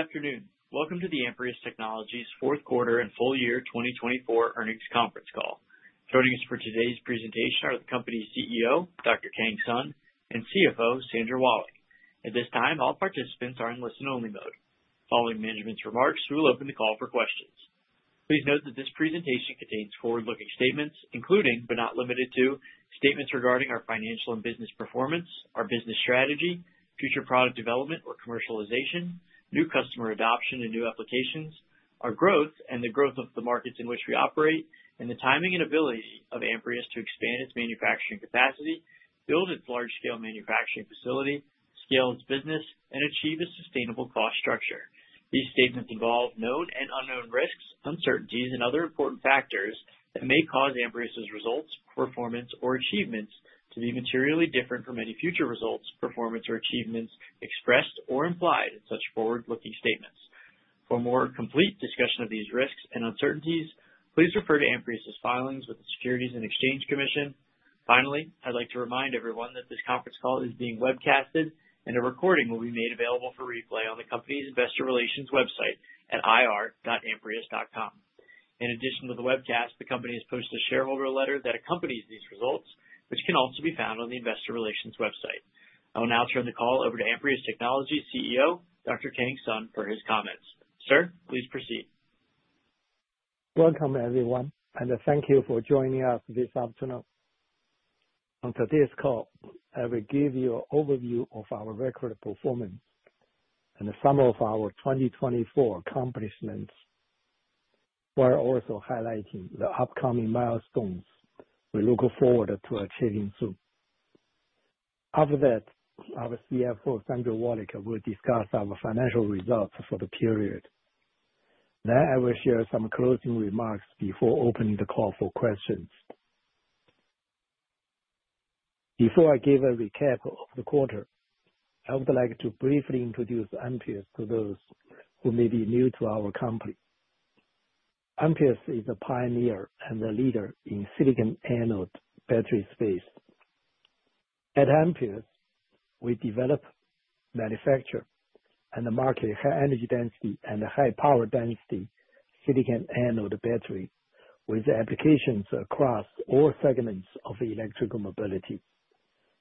Good afternoon. Welcome to the Amprius Technologies' fourth quarter and full year 2024 earnings conference call. Joining us for today's presentation are the company's CEO, Dr. Kang Sun, and CFO, Sandra Wallach. At this time, all participants are in listen-only mode. Following management's remarks, we will open the call for questions. Please note that this presentation contains forward-looking statements, including but not limited to statements regarding our financial and business performance, our business strategy, future product development or commercialization, new customer adoption and new applications, our growth and the growth of the markets in which we operate, and the timing and ability of Amprius to expand its manufacturing capacity, build its large-scale manufacturing facility, scale its business, and achieve a sustainable cost structure. These statements involve known and unknown risks, uncertainties, and other important factors that may cause Amprius's results, performance, or achievements to be materially different from any future results, performance, or achievements expressed or implied in such forward-looking statements. For a more complete discussion of these risks and uncertainties, please refer to Amprius's filings with the Securities and Exchange Commission. Finally, I'd like to remind everyone that this conference call is being webcast, and a recording will be made available for replay on the company's investor relations website at ir.amprius.com. In addition to the webcast, the company has posted a shareholder letter that accompanies these results, which can also be found on the investor relations website. I will now turn the call over to Amprius Technologies' CEO, Dr. Kang Sun, for his comments. Sir, please proceed. Welcome, everyone, and thank you for joining us this afternoon. On today's call, I will give you an overview of our record of performance and some of our 2024 accomplishments, while also highlighting the upcoming milestones we look forward to achieving soon. After that, our CFO, Sandra Wallach, will discuss our financial results for the period. I will share some closing remarks before opening the call for questions. Before I give a recap of the quarter, I would like to briefly introduce Amprius to those who may be new to our company. Amprius is a pioneer and a leader in silicon anode battery space. At Amprius, we develop, manufacture, and market high-energy density and high-power density silicon anode batteries with applications across all segments of electrical mobility,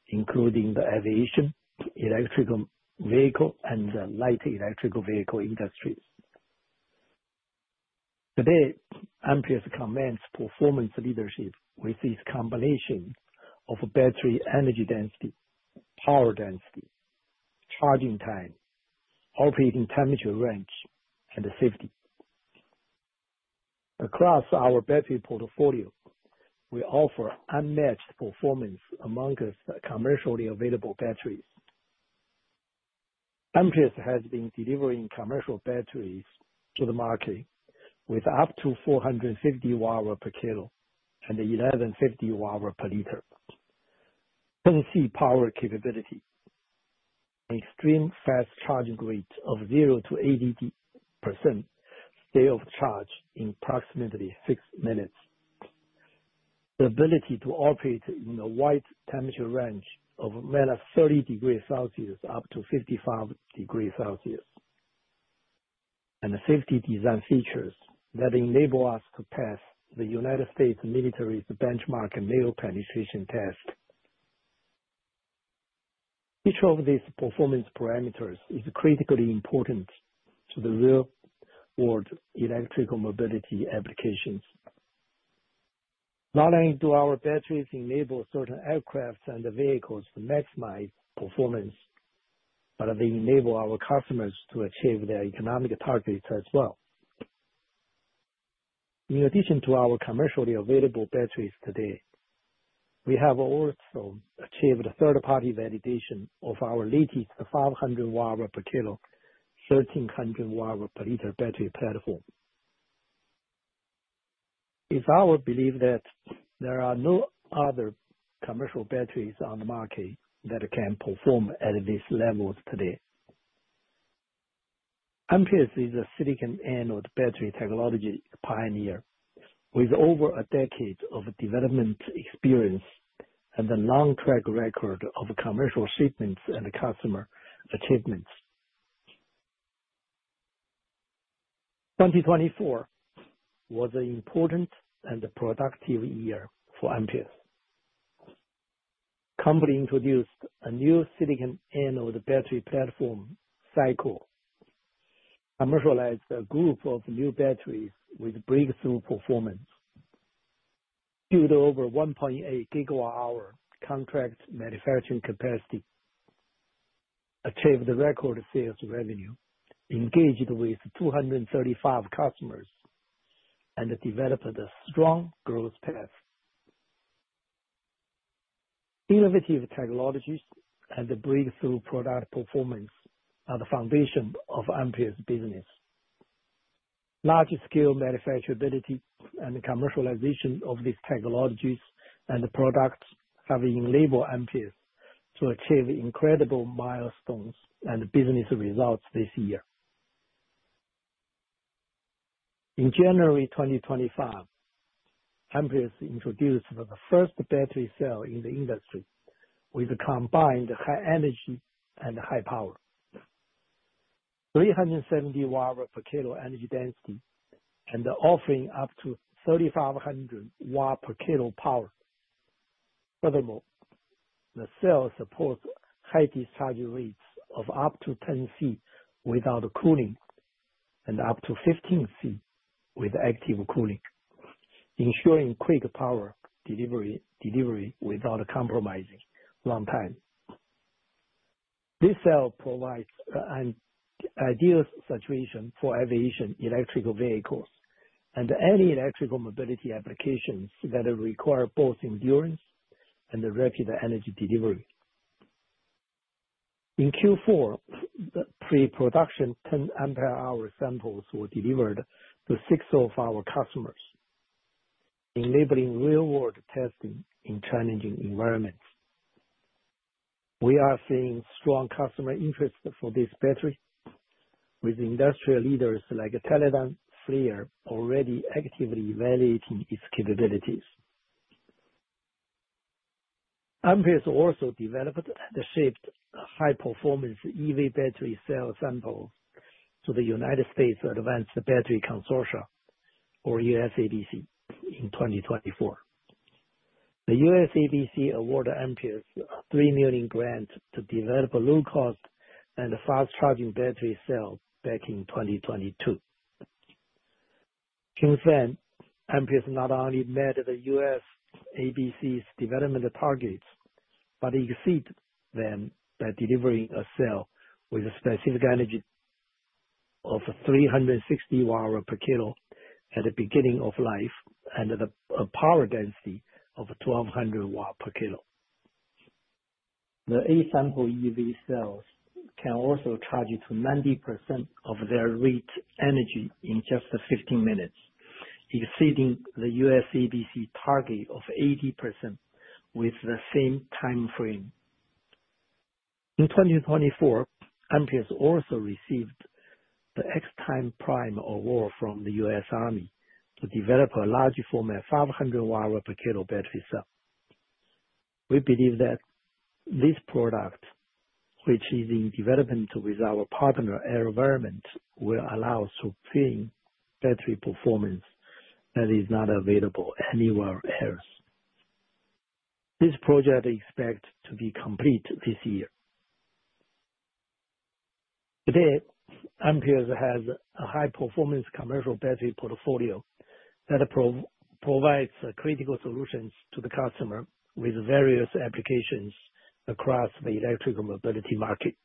including the aviation, electric vehicle, and the light electric vehicle industries. Today, Amprius commands performance leadership with its combination of battery energy density, power density, charging time, operating temperature range, and safety. Across our battery portfolio, we offer unmatched performance amongst commercially available batteries. Amprius has been delivering commercial batteries to the market with up to 450 Wh/kg and 1,150 watt-hours per liter, 10C power capability, an extreme fast charging rate of 0-80% state of charge in approximately 6 minutes, the ability to operate in a wide temperature range of -30 degrees Celsius up to 55 degrees Celsius, and safety design features that enable us to pass the United States military's benchmark nail penetration test. Each of these performance parameters is critically important to the real-world electrical mobility applications. Not only do our batteries enable certain aircraft and vehicles to maximize performance, but they enable our customers to achieve their economic targets as well. In addition to our commercially available batteries today, we have also achieved a third-party validation of our latest 500 Wh/kg, 1,300 watt-hours per liter battery platform. It's our belief that there are no other commercial batteries on the market that can perform at these levels today. Amprius is a silicon anode battery technology pioneer with over a decade of development experience and a long track record of commercial achievements and customer achievements. 2024 was an important and productive year for Amprius. The company introduced a new silicon anode battery platform cycle, commercialized a group of new batteries with breakthrough performance, built over 1.8 GWh contract manufacturing capacity, achieved record sales revenue, engaged with 235 customers, and developed a strong growth path. Innovative technologies and breakthrough product performance are the foundation of Amprius' business. Large-scale manufacturability and commercialization of these technologies and products have enabled Amprius to achieve incredible milestones and business results this year. In January 2025, Amprius introduced the first battery cell in the industry with combined high energy and high power, 370 Wh/kg energy density, and offering up to 3,500 W/kg power. Furthermore, the cell supports high discharge rates of up to 10C without cooling and up to 15C with active cooling, ensuring quick power delivery without compromising runtime. This cell provides an ideal situation for aviation, electric vehicles, and any electric mobility applications that require both endurance and rapid energy delivery. In Q4, pre-production 10 Ah samples were delivered to six of our customers, enabling real-world testing in challenging environments. We are seeing strong customer interest for this battery, with industrial leaders like FLIR already actively evaluating its capabilities. Amprius also developed the shipped high-performance EV battery cell sample to the United States Advanced Battery Consortium, or USABC, in 2024. The USABC awarded Amprius $3 million grant to develop a low-cost and fast-charging battery cell back in 2022. Since then, Amprius not only met the USABC's development targets but exceeded them by delivering a cell with a specific energy of 360 Wh/kg at the beginning of life and a power density of 1,200 W/kg. The A-sample EV cells can also charge to 90% of their rated energy in just 15 minutes, exceeding the USABC target of 80% within the same timeframe. In 2024, Amprius also received the xTechPrime Award from the U.S. Army to develop a large-format 500 Wh/kg battery cell. We believe that this product, which is in development with our partner AeroVironment, will allow us to obtain battery performance that is not available anywhere else. This project is expected to be complete this year. Today, Amprius has a high-performance commercial battery portfolio that provides critical solutions to the customer with various applications across the electrical mobility market.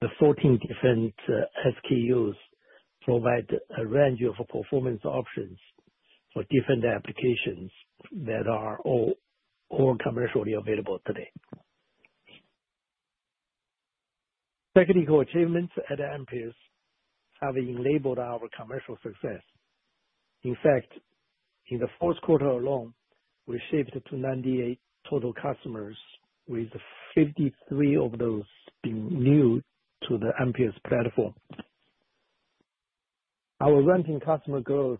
The 14 different SKUs provide a range of performance options for different applications that are all commercially available today. Technical achievements at Amprius have enabled our commercial success. In fact, in the fourth quarter alone, we shipped to 98 total customers, with 53 of those being new to the Amprius platform. Our renting customer growth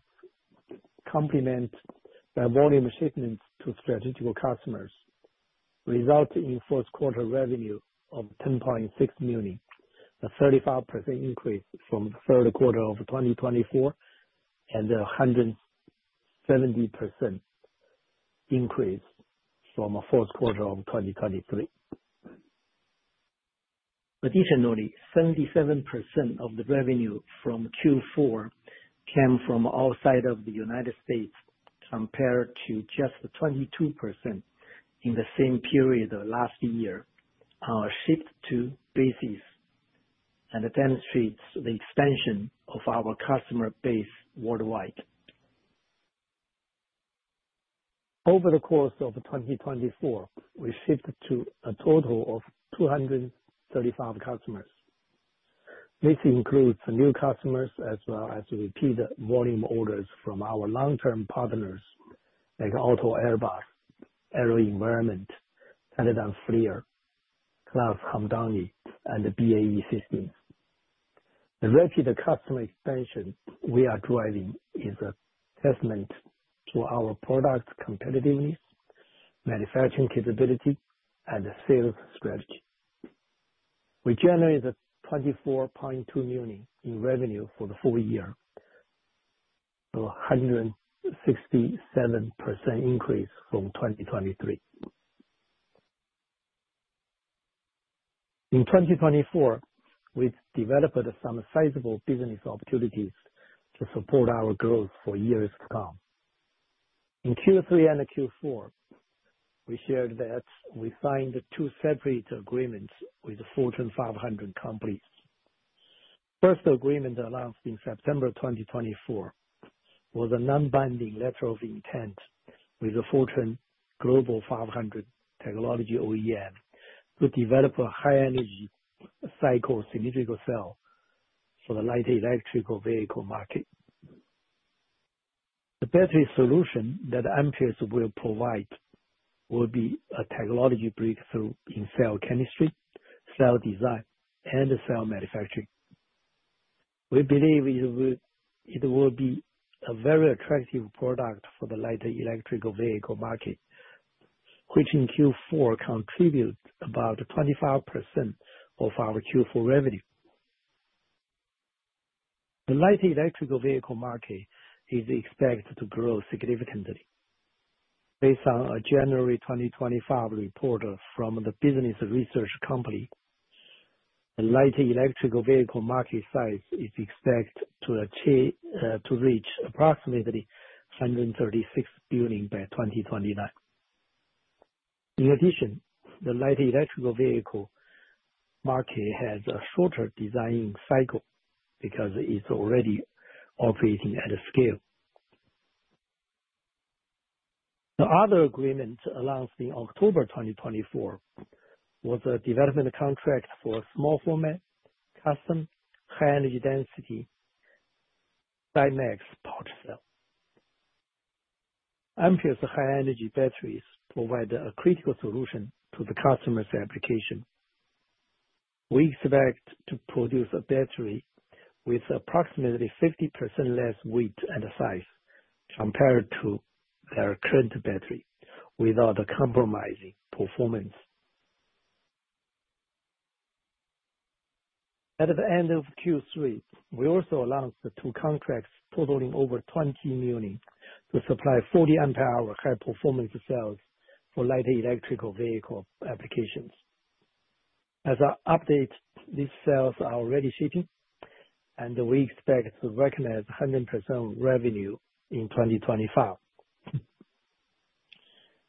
complements the volume shipments to strategical customers, resulting in fourth-quarter revenue of $10.6 million, a 35% increase from the third quarter of 2024 and a 170% increase from the fourth quarter of 2023. Additionally, 77% of the revenue from Q4 came from outside of the United States, compared to just 22% in the same period last year. Our shift to basis demonstrates the expansion of our customer base worldwide. Over the course of 2024, we shipped to a total of 235 customers. This includes new customers as well as repeat volume orders from our long-term partners like AALTO, Airbus, AeroVironment, Teledyne, FLIR, Kraus Hamdani, and BAE Systems. The rapid customer expansion we are driving is a testament to our product competitiveness, manufacturing capability, and sales strategy. We generated $24.2 million in revenue for the full year, a 167% increase from 2023. In 2024, we developed some sizable business opportunities to support our growth for years to come. In Q3 and Q4, we shared that we signed two separate agreements with Fortune 500 companies. The first agreement announced in September 2024 was a non-binding letter of intent with Fortune Global 500 Technology OEM to develop a high-energy cycle cylindrical cell for the light electric vehicle market. The battery solution that Amprius will provide will be a technology breakthrough in cell chemistry, cell design, and cell manufacturing. We believe it will be a very attractive product for the light electric vehicle market, which in Q4 contributed about 25% of our Q4 revenue. The light electric vehicle market is expected to grow significantly. Based on a January 2025 report from The Business Research Company, the light electric vehicle market size is expected to reach approximately $136 billion by 2029. In addition, the light electric vehicle market has a shorter design cycle because it's already operating at a scale. The other agreement announced in October 2024 was a development contract for a small-format custom high-energy density SiMaxx power cell. Amprius high-energy batteries provide a critical solution to the customer's application. We expect to produce a battery with approximately 50% less weight and size compared to their current battery without compromising performance. At the end of Q3, we also announced two contracts totaling over $20 million to supply 40 Ah high-performance cells for light electric vehicle applications. As an update, these cells are already shipping, and we expect to recognize 100% revenue in 2025.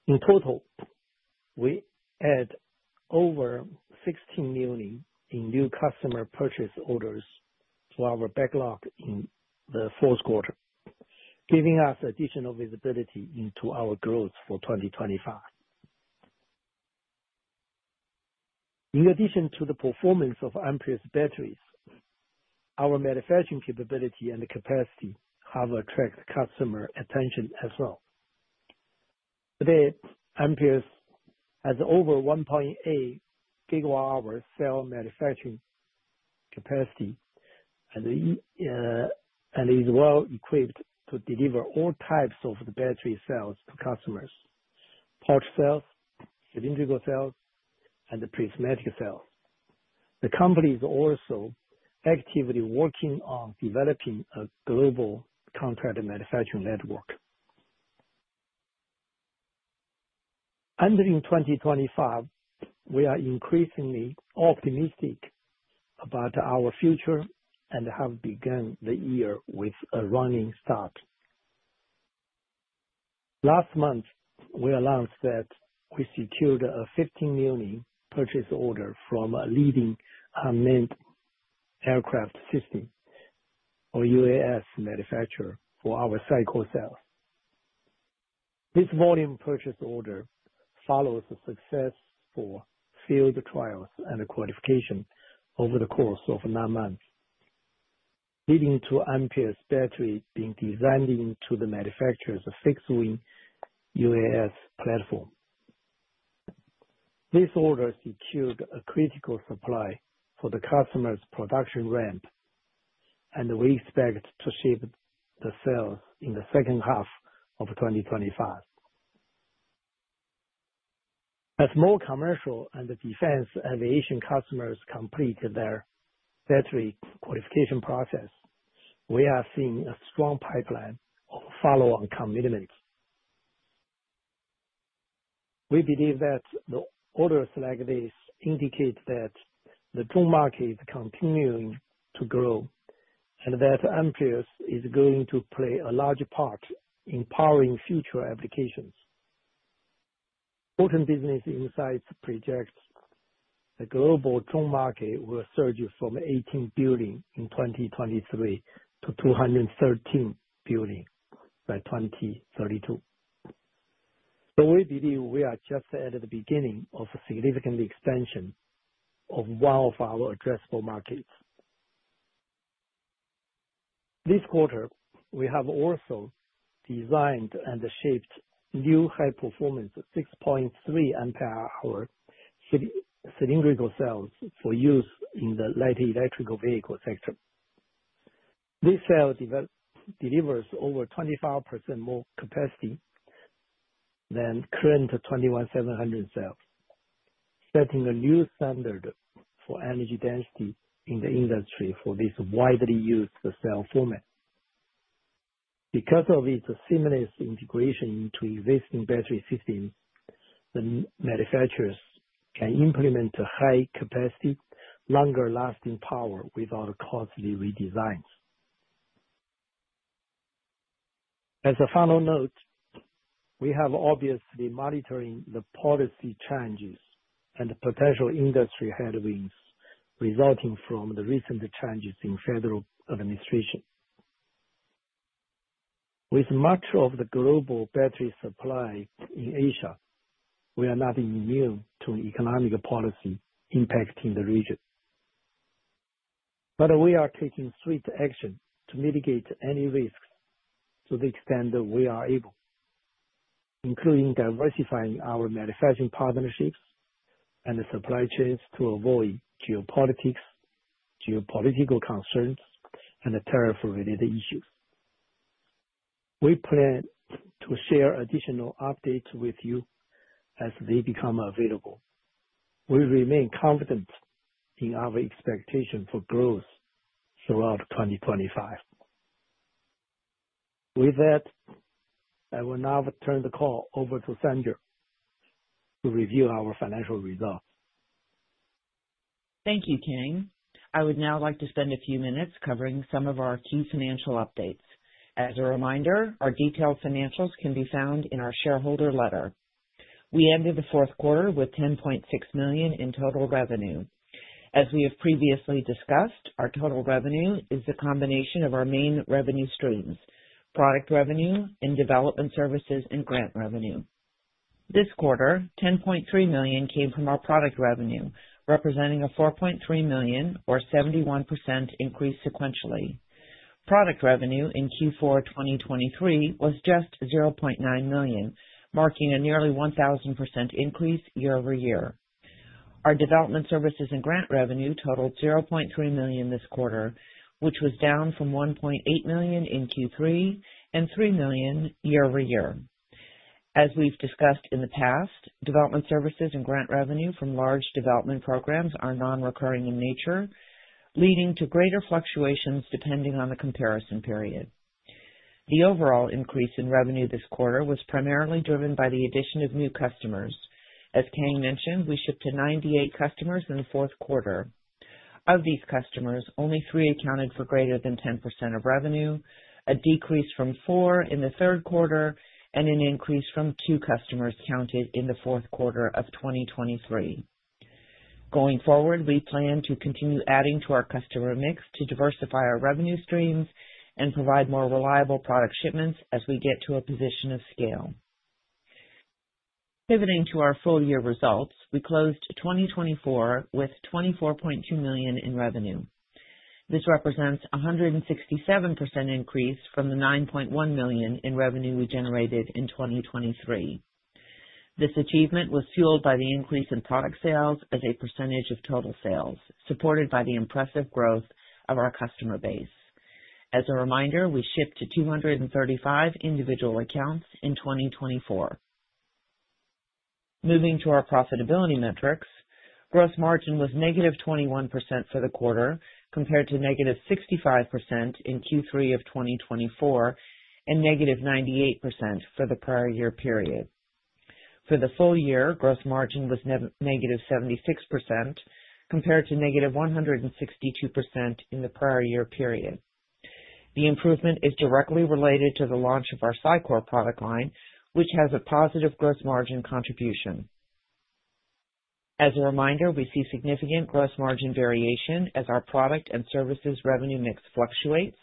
In total, we add over $16 million in new customer purchase orders to our backlog in the fourth quarter, giving us additional visibility into our growth for 2025. In addition to the performance of Amprius batteries, our manufacturing capability and capacity have attracted customer attention as well. Today, Amprius has over 1.8 GWh cell manufacturing capacity and is well-equipped to deliver all types of the battery cells to customers: power cells, cylindrical cells, and prismatic cells. The company is also actively working on developing a global contract manufacturing network. Entering 2025, we are increasingly optimistic about our future and have begun the year with a running start. Last month, we announced that we secured a $15 million purchase order from a leading unmanned aircraft system, or UAS, manufacturer for our cylindrical cells. This volume purchase order follows the success for field trials and qualification over the course of nine months, leading to Amprius battery being designed into the manufacturer's fixed-wing UAS platform. This order secured a critical supply for the customer's production ramp, and we expect to ship the cells in the second half of 2025. As more commercial and defense aviation customers complete their battery qualification process, we are seeing a strong pipeline of follow-on commitments. We believe that the orders like this indicate that the drone market is continuing to grow and that Amprius is going to play a large part in powering future applications. Fortune Business Insights projects the global drone market will surge from $18 billion in 2023 to $213 billion by 2032. We believe we are just at the beginning of a significant expansion of one of our addressable markets. This quarter, we have also designed and shipped new high-performance 6.3 Ah cylindrical cells for use in the light electric vehicle sector. This cell delivers over 25% more capacity than current 21700 cells, setting a new standard for energy density in the industry for this widely used cell format. Because of its seamless integration into existing battery systems, the manufacturers can implement high-capacity, longer-lasting power without costly redesigns. As a final note, we have obviously monitored the policy changes and potential industry headwinds resulting from the recent changes in federal administration. With much of the global battery supply in Asia, we are not immune to economic policy impacting the region. We are taking swift action to mitigate any risks to the extent that we are able, including diversifying our manufacturing partnerships and supply chains to avoid geopolitics, geopolitical concerns, and tariff-related issues. We plan to share additional updates with you as they become available. We remain confident in our expectations for growth throughout 2025. With that, I will now turn the call over to Sandra to review our financial results. Thank you, Kang. I would now like to spend a few minutes covering some of our key financial updates. As a reminder, our detailed financials can be found in our shareholder letter. We ended the fourth quarter with $10.6 million in total revenue. As we have previously discussed, our total revenue is the combination of our main revenue streams: product revenue, development services, and grant revenue. This quarter, $10.3 million came from our product revenue, representing a $4.3 million, or 71%, increase sequentially. Product revenue in Q4 2023 was just $0.9 million, marking a nearly 1,000% increase year-over-year. Our development services and grant revenue totaled $0.3 million this quarter, which was down from $1.8 million in Q3 and $3 million year-over-year. As we've discussed in the past, development services and grant revenue from large development programs are non-recurring in nature, leading to greater fluctuations depending on the comparison period. The overall increase in revenue this quarter was primarily driven by the addition of new customers. As Kang mentioned, we shipped to 98 customers in the fourth quarter. Of these customers, only three accounted for greater than 10% of revenue, a decrease from four in the third quarter, and an increase from two customers counted in the fourth quarter of 2023. Going forward, we plan to continue adding to our customer mix to diversify our revenue streams and provide more reliable product shipments as we get to a position of scale. Pivoting to our full-year results, we closed 2024 with $24.2 million in revenue. This represents a 167% increase from the $9.1 million in revenue we generated in 2023. This achievement was fueled by the increase in product sales as a percentage of total sales, supported by the impressive growth of our customer base. As a reminder, we shipped to 235 individual accounts in 2024. Moving to our profitability metrics, gross margin was -21% for the quarter compared to -65% in Q3 of 2024 and -98% for the prior year period. For the full year, gross margin was -76% compared to -162% in the prior year period. The improvement is directly related to the launch of our SiCore product line, which has a positive gross margin contribution. As a reminder, we see significant gross margin variation as our product and services revenue mix fluctuates.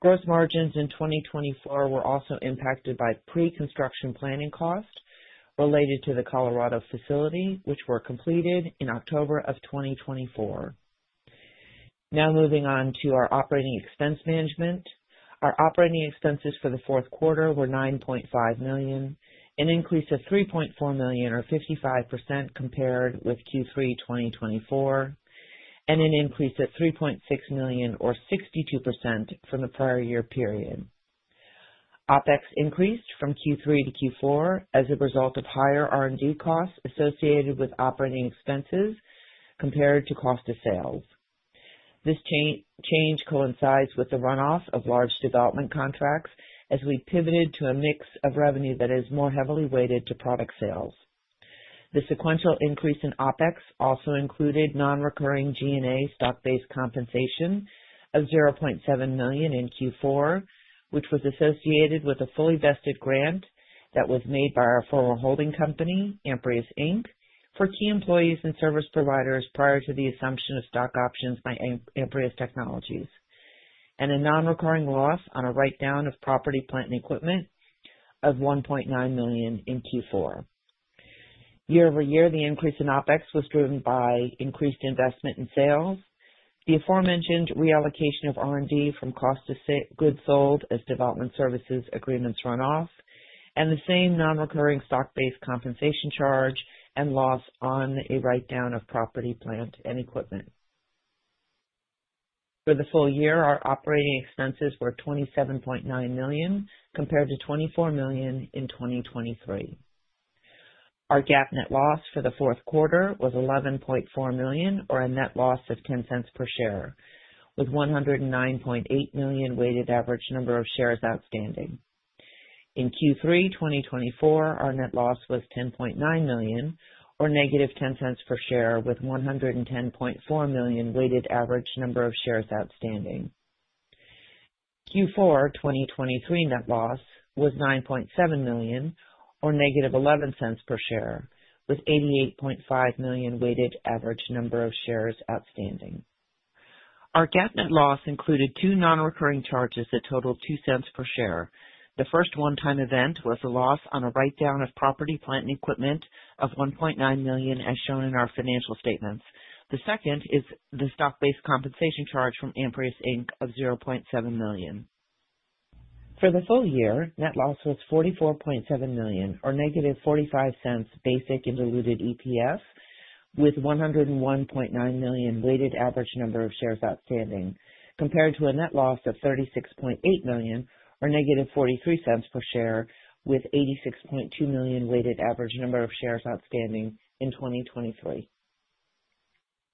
Gross margins in 2024 were also impacted by pre-construction planning costs related to the Colorado facility, which were completed in October of 2024. Now moving on to our operating expense management. Our operating expenses for the fourth quarter were $9.5 million, an increase of $3.4 million, or 55%, compared with Q3 2024, and an increase of $3.6 million, or 62%, from the prior year period. OpEx increased from Q3 to Q4 as a result of higher R&D costs associated with operating expenses compared to cost of sales. This change coincides with the runoff of large development contracts as we pivoted to a mix of revenue that is more heavily weighted to product sales. The sequential increase in OpEx also included non-recurring G&A stock-based compensation of $0.7 million in Q4, which was associated with a fully vested grant that was made by our former holding company, Amprius, for key employees and service providers prior to the assumption of stock options by Amprius Technologies, and a non-recurring loss on a write-down of property, plant, and equipment of $1.9 million in Q4. year-over-year, the increase in OpEx was driven by increased investment in sales, the aforementioned reallocation of R&D from cost of goods sold as development services agreements runoff, and the same non-recurring stock-based compensation charge and loss on a write-down of property, plant, and equipment. For the full year, our operating expenses were $27.9 million compared to $24 million in 2023. Our GAAP net loss for the fourth quarter was $11.4 million, or a net loss of $0.10 per share, with 109.8 million weighted average number of shares outstanding. In Q3 2024, our net loss was $10.9 million, or negative $0.10 per share, with 110.4 million weighted average number of shares outstanding. Q4 2023 net loss was $9.7 million, or negative $0.11 per share, with 88.5 million weighted average number of shares outstanding. Our GAAP net loss included two non-recurring charges that totaled $0.02 per share. The first one-time event was a loss on a write-down of property, plant, and equipment of $1.9 million, as shown in our financial statements. The second is the stock-based compensation charge from Amprius Technologies of $0.7 million. For the full year, net loss was $44.7 million, or negative $0.45 basic and diluted EPS, with 101.9 million weighted average number of shares outstanding compared to a net loss of $36.8 million, or negative $0.43 per share, with 86.2 million weighted average number of shares outstanding in 2023.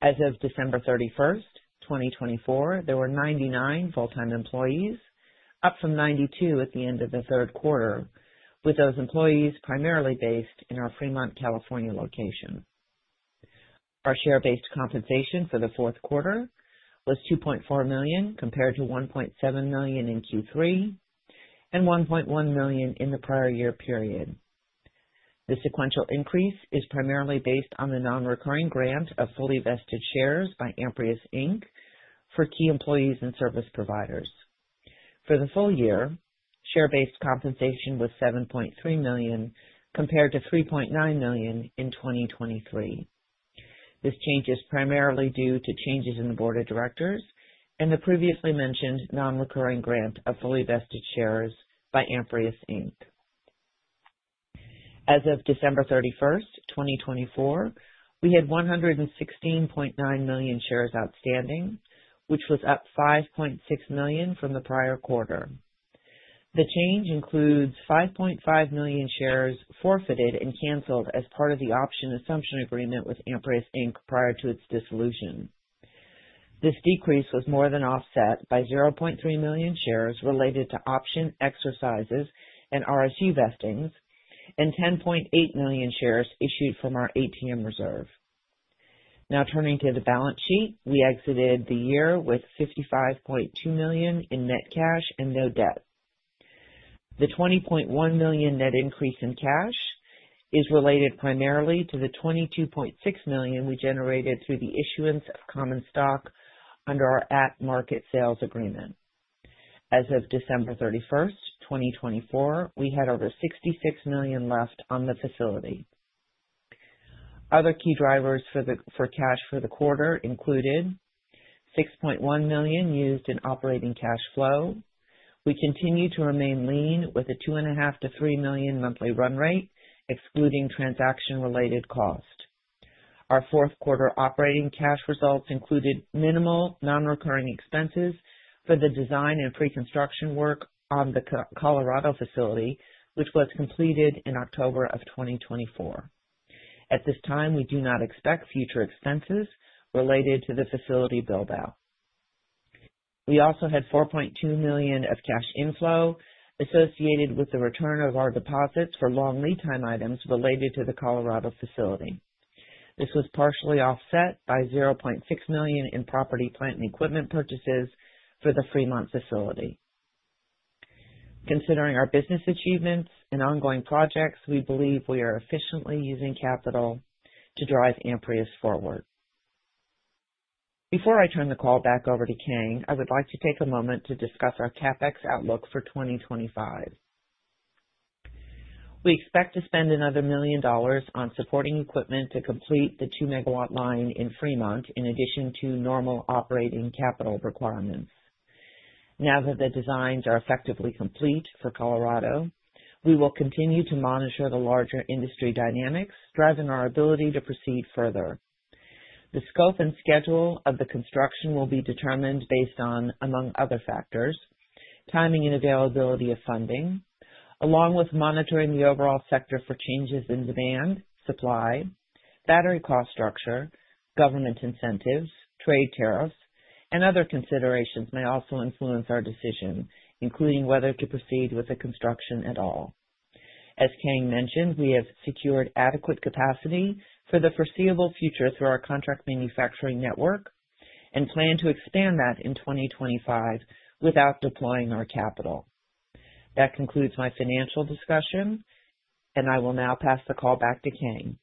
As of December 31, 2024, there were 99 full-time employees, up from 92 at the end of the third quarter, with those employees primarily based in our Fremont, California location. Our share-based compensation for the fourth quarter was $2.4 million compared to $1.7 million in Q3 and $1.1 million in the prior year period. The sequential increase is primarily based on the non-recurring grant of fully vested shares by Amprius Inc for key employees and service providers. For the full year, share-based compensation was $7.3 million compared to $3.9 million in 2023. This change is primarily due to changes in the board of directors and the previously mentioned non-recurring grant of fully vested shares by Amprius Inc. As of December 31, 2024, we had 116.9 million shares outstanding, which was up 5.6 million from the prior quarter. The change includes 5.5 million shares forfeited and canceled as part of the option assumption agreement with Amprius Inc prior to its dissolution. This decrease was more than offset by 0.3 million shares related to option exercises and RSU vestings, and 10.8 million shares issued from our ATM reserve. Now turning to the balance sheet, we exited the year with $55.2 million in net cash and no debt. The $20.1 million net increase in cash is related primarily to the $22.6 million we generated through the issuance of common stock under our at-market sales agreement. As of December 31, 2024, we had over $66 million left on the facility. Other key drivers for cash for the quarter included $6.1 million used in operating cash flow. We continue to remain lean with a $2.5 million-$3 million monthly run rate, excluding transaction-related cost. Our fourth quarter operating cash results included minimal non-recurring expenses for the design and pre-construction work on the Colorado facility, which was completed in October of 2024. At this time, we do not expect future expenses related to the facility build-out. We also had $4.2 million of cash inflow associated with the return of our deposits for long lead time items related to the Colorado facility. This was partially offset by $0.6 million in property, plant, and equipment purchases for the Fremont facility. Considering our business achievements and ongoing projects, we believe we are efficiently using capital to drive Amprius forward. Before I turn the call back over to Kang, I would like to take a moment to discuss our CapEx outlook for 2025. We expect to spend another $1 million on supporting equipment to complete the 2 MW line in Fremont, in addition to normal operating capital requirements. Now that the designs are effectively complete for Colorado, we will continue to monitor the larger industry dynamics, driving our ability to proceed further. The scope and schedule of the construction will be determined based on, among other factors, timing and availability of funding, along with monitoring the overall sector for changes in demand, supply, battery cost structure, government incentives, trade tariffs, and other considerations may also influence our decision, including whether to proceed with the construction at all. As Kang mentioned, we have secured adequate capacity for the foreseeable future through our contract manufacturing network and plan to expand that in 2025 without deploying our capital. That concludes my financial discussion, and I will now pass the call back to Kang.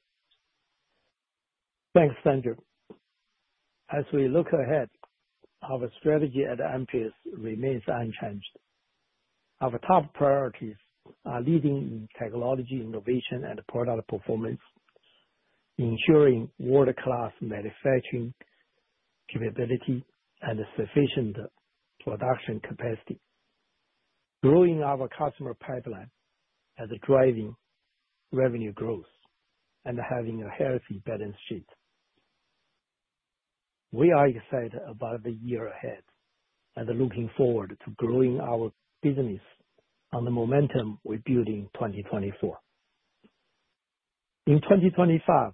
Thanks, Sandra. As we look ahead, our strategy at Amprius remains unchanged. Our top priorities are leading in technology innovation and product performance, ensuring world-class manufacturing capability and sufficient production capacity, growing our customer pipeline and driving revenue growth, and having a healthy balance sheet. We are excited about the year ahead and looking forward to growing our business on the momentum we're building in 2024. In 2025,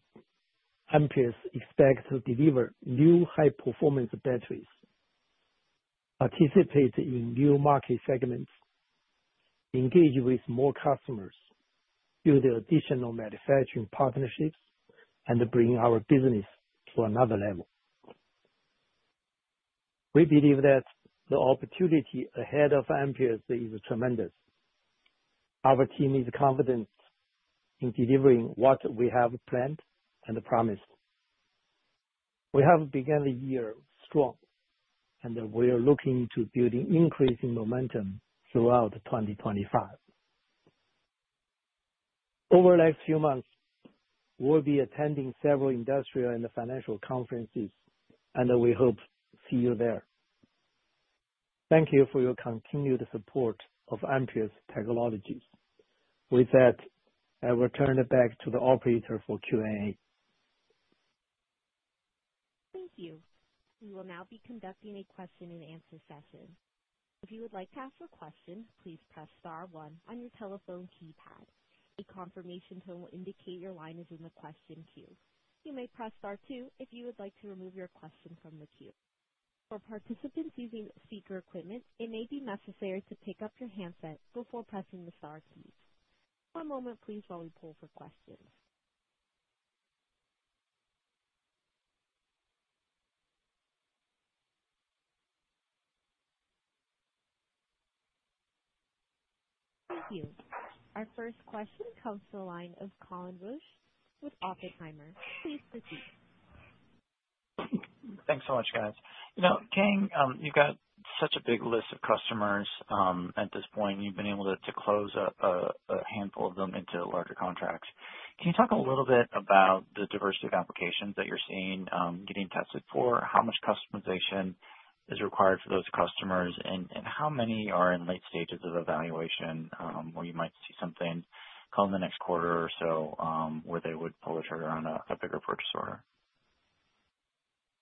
Amprius expects to deliver new high-performance batteries, participate in new market segments, engage with more customers, build additional manufacturing partnerships, and bring our business to another level. We believe that the opportunity ahead of Amprius is tremendous. Our team is confident in delivering what we have planned and promised. We have begun the year strong, and we are looking to build an increase in momentum throughout 2025. Over the next few months, we'll be attending several industrial and financial conferences, and we hope to see you there. Thank you for your continued support of Amprius Technologies. With that, I will turn it back to the operator for Q&A. Thank you. We will now be conducting a question-and-answer session. If you would like to ask a question, please press star one on your telephone keypad. A confirmation tone will indicate your line is in the question queue. You may press star two if you would like to remove your question from the queue. For participants using speaker equipment, it may be necessary to pick up your handset before pressing the star keys. One moment, please, while we pull for questions. Thank you. Our first question comes to the line of Colin Rusch with Oppenheimer. Please proceed. Thanks so much, guys. You know, Kang, you've got such a big list of customers at this point. You've been able to close a handful of them into larger contracts. Can you talk a little bit about the diversity of applications that you're seeing getting tested for? How much customization is required for those customers, and how many are in late stages of evaluation where you might see something come the next quarter or so where they would pull the trigger on a bigger purchase order?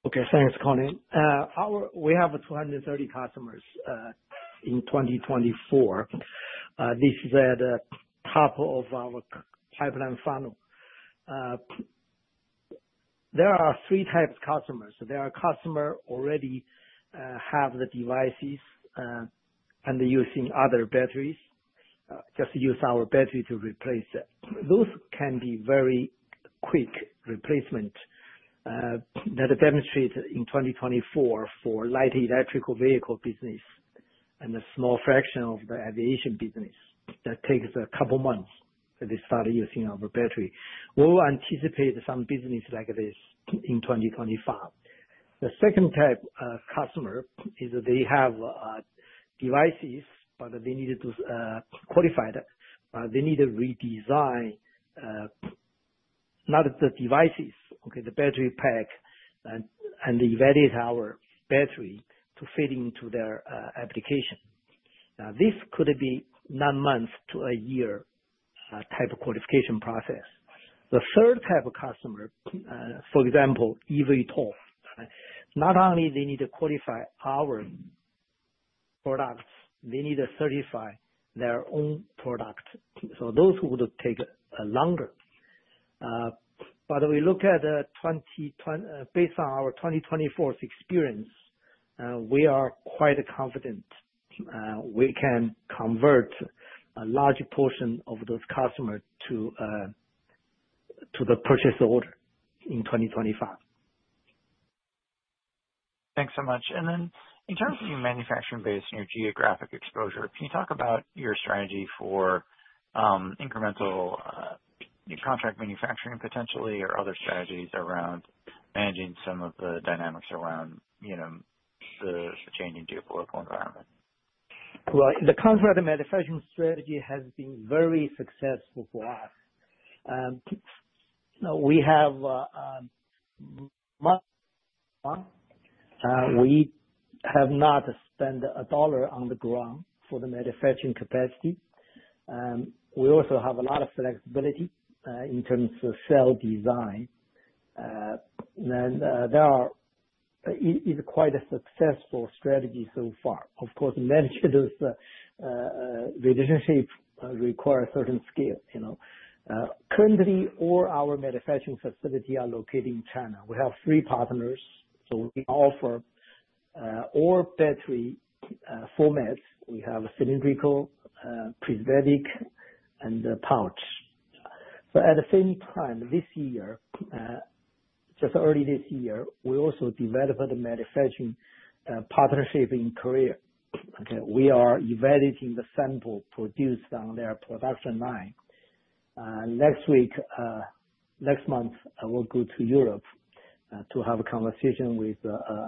Okay. Thanks, Colin. We have 230 customers in 2024. This is at the top of our pipeline funnel. There are three types of customers. There are customers who already have the devices and are using other batteries, just use our battery to replace it. Those can be very quick replacements that demonstrate in 2024 for light electric vehicle business and a small fraction of the aviation business that takes a couple of months that they start using our battery. We will anticipate some business like this in 2025. The second type of customer is they have devices, but they need to qualify that. They need to redesign not the devices, okay, the battery pack and evaluate our battery to fit into their application. Now, this could be nine months to a year type of qualification process. The third type of customer, for example, eVTOL. Not only do they need to qualify our products, they need to certify their own product. Those would take longer. We look at, based on our 2024 experience, we are quite confident we can convert a large portion of those customers to the purchase order in 2025. Thanks so much. In terms of your manufacturing base and your geographic exposure, can you talk about your strategy for incremental contract manufacturing potentially or other strategies around managing some of the dynamics around the changing geopolitical environment? The contract manufacturing strategy has been very successful for us. We have not spent a dollar on the ground for the manufacturing capacity. We also have a lot of flexibility in terms of cell design. It's quite a successful strategy so far. Of course, managing those relationships requires certain skill. Currently, all our manufacturing facilities are located in China. We have three partners, so we offer all battery formats. We have cylindrical, prismatic, and pouch. At the same time, this year, just early this year, we also developed a manufacturing partnership in Korea. Okay. We are evaluating the sample produced on their production line. Next week, next month, we'll go to Europe to have a conversation with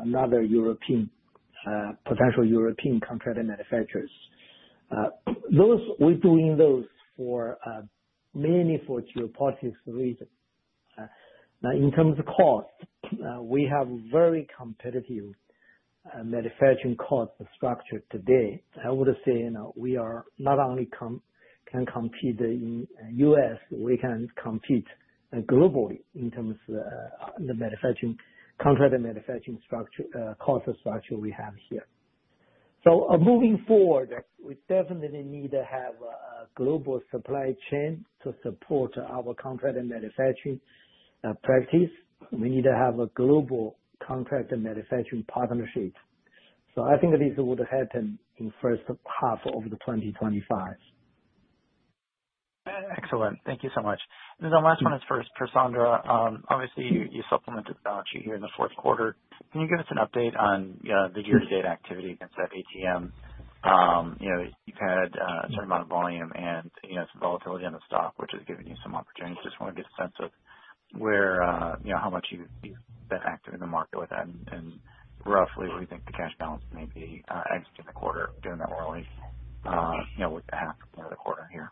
another potential European contract manufacturers. We're doing those mainly for geopolitical reasons. In terms of cost, we have very competitive manufacturing cost structure today. I would say we are not only can compete in the U.S., we can compete globally in terms of the contract manufacturing cost structure we have here. Moving forward, we definitely need to have a global supply chain to support our contract manufacturing practice. We need to have a global contract manufacturing partnership. I think this would happen in the first half of 2025. Excellent. Thank you so much. The last one is for Sandra. Obviously, you supplemented the balance sheet here in the fourth quarter. Can you give us an update on the year-to-date activity against that ATM? You've had a certain amount of volume and some volatility on the stock, which has given you some opportunity. Just want to get a sense of how much you've been active in the market with that and roughly where you think the cash balance may be exiting the quarter, given that we're only a half of the quarter here.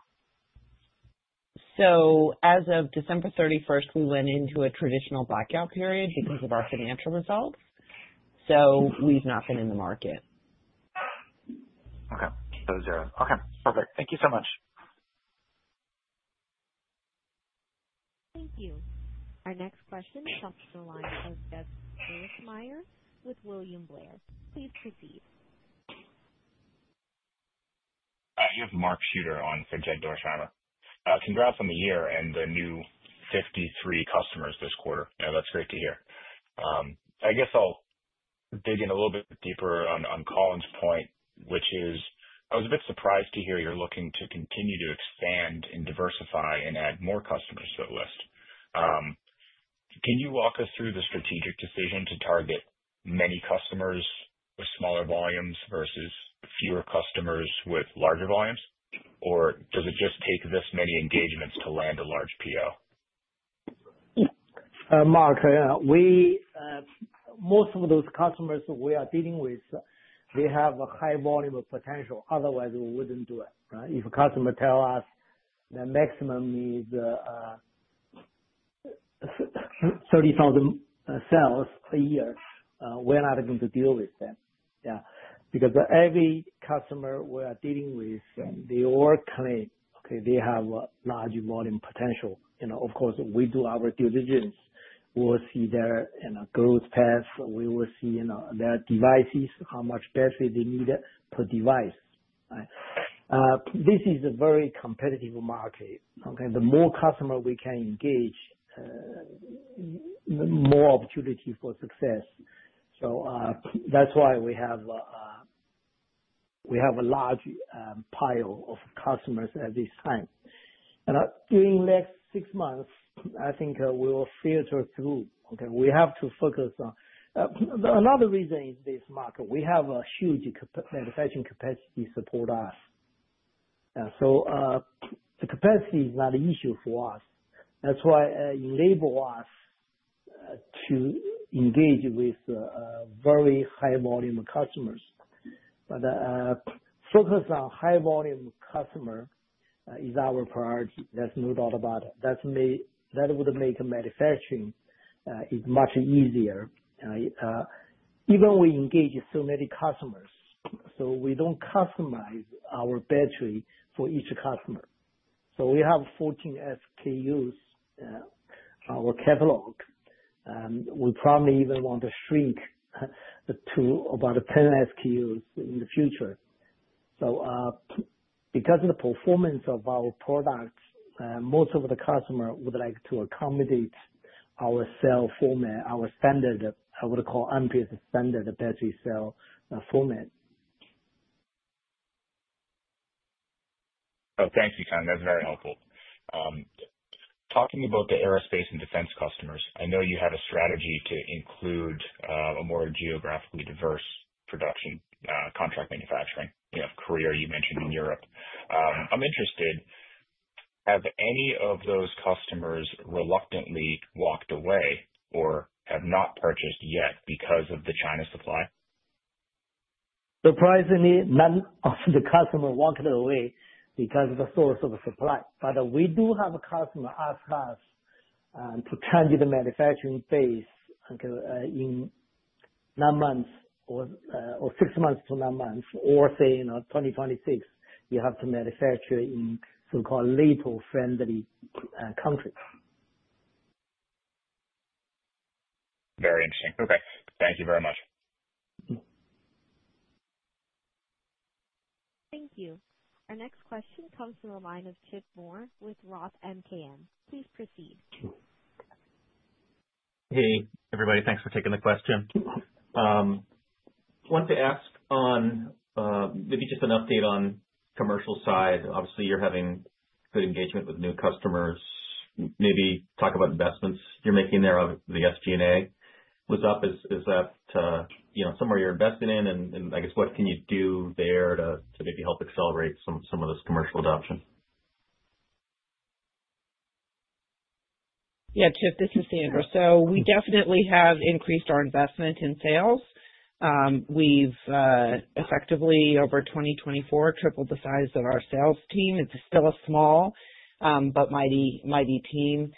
As of December 31st, we went into a traditional blackout period because of our financial results. We've not been in the market. Okay. Okay. Perfect. Thank you so much. Thank you. Our next question is from Jed Dorsheimer with William Blair. Please proceed. You have Mark Shooter on for Jed Dorsheimer. Congrats on the year and the new 53 customers this quarter. That's great to hear. I guess I'll dig in a little bit deeper on Colin's point, which is I was a bit surprised to hear you're looking to continue to expand and diversify and add more customers to the list. Can you walk us through the strategic decision to target many customers with smaller volumes versus fewer customers with larger volumes? Or does it just take this many engagements to land a large PO? Mark, most of those customers we are dealing with, they have a high volume of potential. Otherwise, we would not do it. If a customer tells us the maximum is 30,000 cells a year, we are not going to deal with them. Yeah. Because every customer we are dealing with, they all claim, okay, they have a large volume potential. Of course, we do our due diligence. We will see their growth path. We will see their devices, how much battery they need per device. This is a very competitive market. The more customers we can engage, the more opportunity for success. That is why we have a large pile of customers at this time. During the next six months, I think we will filter through. Okay. We have to focus on another reason in this market. We have a huge manufacturing capacity to support us. The capacity is not an issue for us. That is why it enables us to engage with very high volume customers. Focus on high volume customers is our priority. There is no doubt about it. That would make manufacturing much easier. Even we engage so many customers. We do not customize our battery for each customer. We have 14 SKUs in our catalog. We probably even want to shrink to about 10 SKUs in the future. Because of the performance of our products, most of the customers would like to accommodate our cell format, our standard, I would call Amprius standard battery cell format. Oh, thanks, Kang. That is very helpful. Talking about the aerospace and defense customers, I know you have a strategy to include a more geographically diverse production contract manufacturing. You have Korea, you mentioned, and Europe. I'm interested. Have any of those customers reluctantly walked away or have not purchased yet because of the China supply? Surprisingly, none of the customers walked away because of the source of the supply. But we do have a customer ask us to change the manufacturing base in nine months or six months to nine months or say 2026, you have to manufacture in so-called NATO-friendly countries. Very interesting. Okay. Thank you very much. Thank you. Our next question comes from the line of Chip Moore with Roth MKM. Please proceed. Hey, everybody. Thanks for taking the question. I wanted to ask on maybe just an update on the commercial side. Obviously, you're having good engagement with new customers. Maybe talk about investments you're making there. The SG&A was up. Is that somewhere you're investing in? I guess, what can you do there to maybe help accelerate some of this commercial adoption? Yeah, Chip, this is Sandra. We definitely have increased our investment in sales. We've effectively, over 2024, tripled the size of our sales team. It's still a small but mighty team.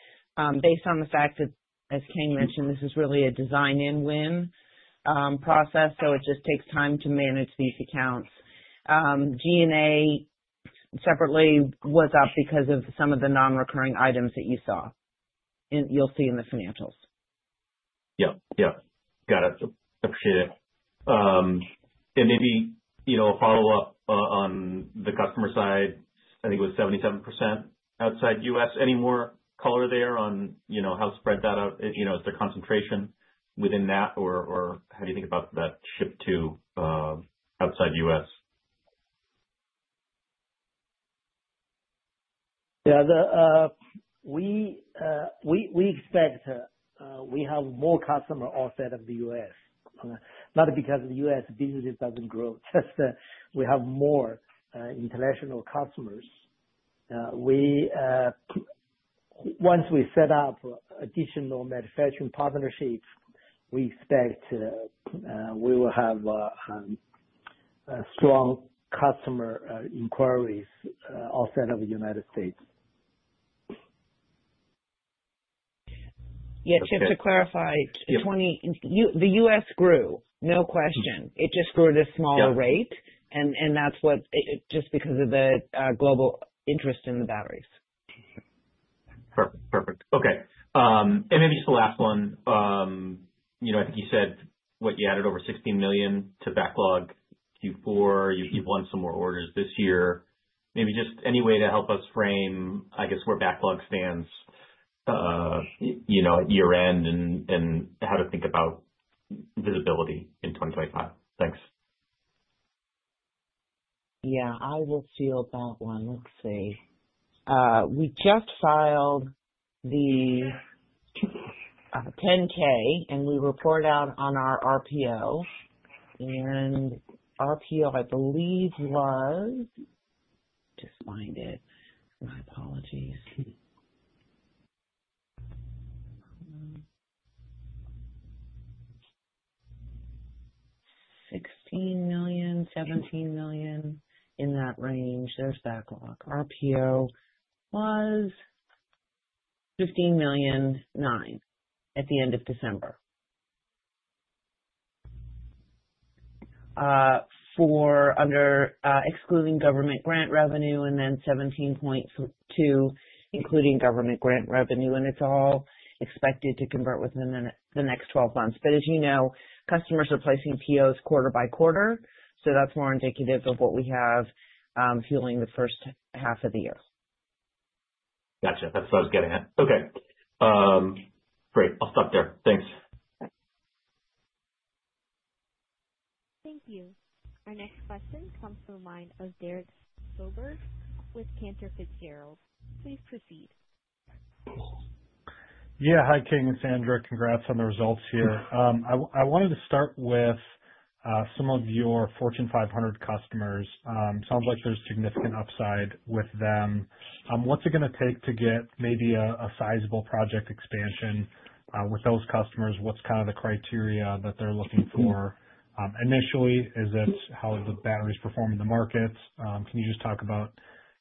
Based on the fact that, as Kang mentioned, this is really a design-in-win process, it just takes time to manage these accounts. G&A separately was up because of some of the non-recurring items that you saw and you'll see in the financials. Yep. Yep. Got it. Appreciate it. Maybe a follow-up on the customer side. I think it was 77% outside the U.S. Any more color there on how to spread that out? Is there concentration within that, or how do you think about that ship to outside the U.S.? Yeah. We expect we have more customers outside of the U.S. Not because the U.S. business does not grow, just we have more international customers. Once we set up additional manufacturing partnerships, we expect we will have strong customer inquiries outside of the United States. Yeah. Chip, to clarify, the U.S. grew, no question. It just grew at a smaller rate, and that is just because of the global interest in the batteries. Perfect. Perfect. Okay. Maybe just the last one. I think you said you added over $16 million to backlog Q4. You have won some more orders this year. Maybe just any way to help us frame, I guess, where backlog stands at year-end and how to think about visibility in 2025. Thanks. Yeah. I will seal that one. Let's see. We just filed the 10K, and we report out on our RPO. And RPO, I believe, was just find it. My apologies. $16 million, $17 million, in that range. There's backlog. RPO was $15.9 million at the end of December. Excluding government grant revenue, and then $17.2 million including government grant revenue. And it's all expected to convert within the next 12 months. As you know, customers are placing POs quarter by quarter, so that's more indicative of what we have fueling the first half of the year. Gotcha. That's what I was getting at. Okay. Great. I'll stop there. Thanks. Thank you. Our next question comes from the line of Derek Soder with Cantor Fitzgerald. Please proceed. Yeah. Hi, Kang and Sandra. Congrats on the results here. I wanted to start with some of your Fortune 500 customers. Sounds like there's significant upside with them. What's it going to take to get maybe a sizable project expansion with those customers? What's kind of the criteria that they're looking for initially? Is it how the batteries perform in the markets? Can you just talk about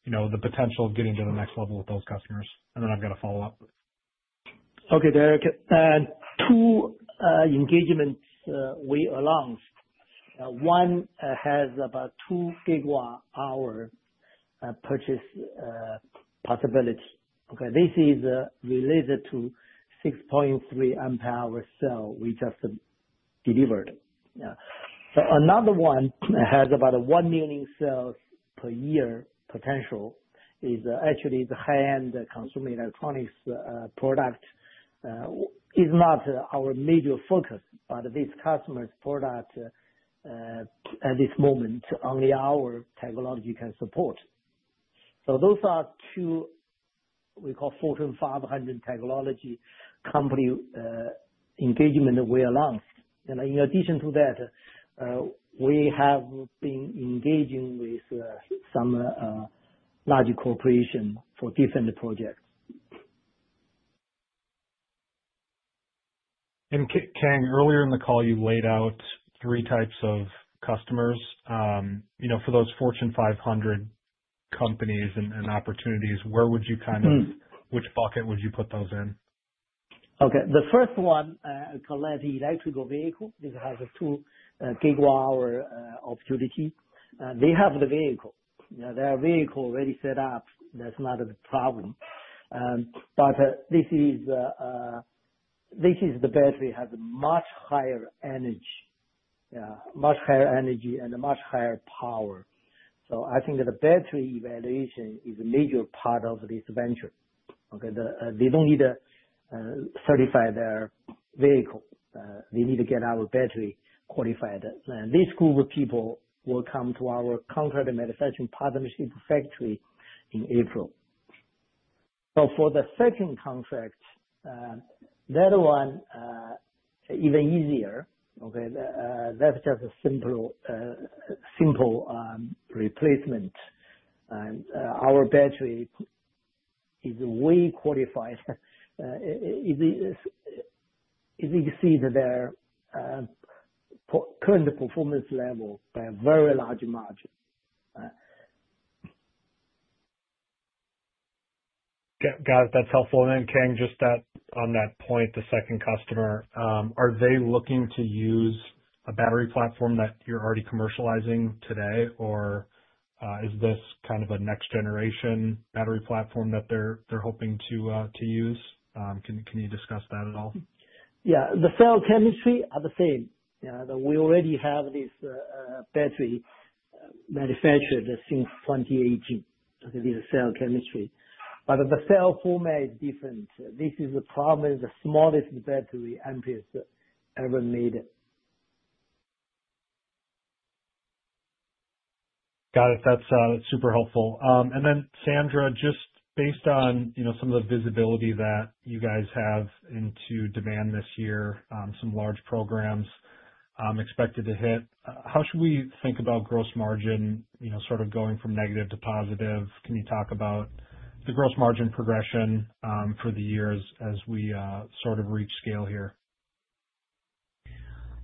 the potential of getting to the next level with those customers? Okay, Derek. Two engagements we announced. One has about 2 GWh purchase possibility. This is related to 6.3 Ah cell we just delivered. Another one has about 1 million cells per year potential. Actually, it's a high-end consumer electronics product. It's not our major focus, but these customers' product at this moment, only our technology can support. Those are two we call Fortune 500 technology company engagement we announced. In addition to that, we have been engaging with some large corporations for different projects. Kang, earlier in the call, you laid out three types of customers. For those Fortune 500 companies and opportunities, where would you kind of which bucket would you put those in? The first one, I call it electrical vehicle. This has a 2 GWh opportunity. They have the vehicle. They have a vehicle already set up. That's not a problem. This is the battery that has much higher energy, much higher energy, and much higher power. I think the battery evaluation is a major part of this venture. They don't need to certify their vehicle. They need to get our battery qualified. This group of people will come to our contract manufacturing partnership factory in April. For the second contract, that one is even easier. That's just a simple replacement. Our battery is way qualified. It exceeds their current performance level by a very large margin. Got it. That's helpful. Kang, just on that point, the second customer, are they looking to use a battery platform that you're already commercializing today, or is this kind of a next-generation battery platform that they're hoping to use? Can you discuss that at all? Yeah. The cell chemistry are the same. We already have this battery manufactured since 2018. This is cell chemistry. But the cell format is different. This is probably the smallest battery Amprius ever made. Got it. That's super helpful. Sandra, just based on some of the visibility that you guys have into demand this year, some large programs expected to hit, how should we think about gross margin sort of going from negative to positive? Can you talk about the gross margin progression for the year as we sort of reach scale here?